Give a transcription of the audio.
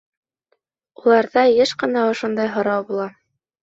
Уларҙа йыш ҡына ошондай һорау була.